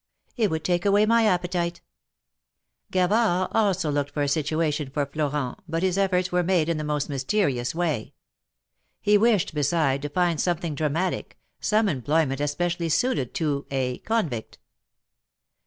It would take away my appetite.'' Gavard also looked for a situation for Florent, but his efforts were made in the most mysterious way. He wished, beside, to find something dramatic, some employment especially suited to ^^a convict."